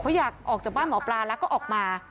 เขาอยากออกจากบ้านหมอปลาแล้วก็ออกมา